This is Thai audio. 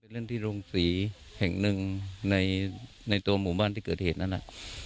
เล่นที่โรงศรีแห่งหนึ่งในตัวหมู่บ้านที่เกิดเหตุนั้น